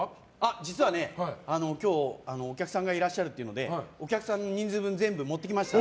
実は今日、お客さんがいらっしゃるというのでお客さんの人数分全部持ってきました。